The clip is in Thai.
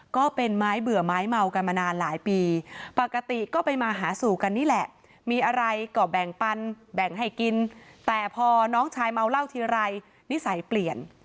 ก็แบ่งปันแบ่งให้กินแต่พอน้องชายเมาเหล้าทีไรนิสัยเปลี่ยน